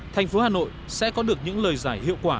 thành phố hà nội sẽ có được những lời giải hiệu quả